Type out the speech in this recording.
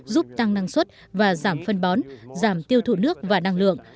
giúp tăng năng suất và giảm phân bón giảm tiêu thụ nước và năng lượng